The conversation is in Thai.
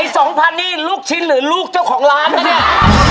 ไอ้๒๐๐๐บาทนี่ลูกชิ้นหรือลูกเจ้าของร้านน่ะเนี่ย